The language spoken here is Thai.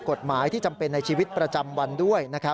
กฎหมายที่จำเป็นในชีวิตประจำวันด้วย